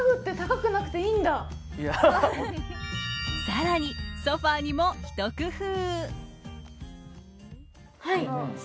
更に、ソファにもひと工夫。